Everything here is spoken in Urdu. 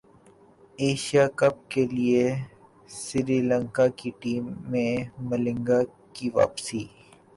ایشیا کپ کیلئے سری لنکا کی ٹیم میں ملنگا کی واپسی